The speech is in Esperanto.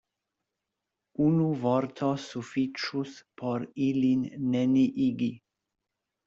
Unu vorto sufiĉus por ilin neniigi.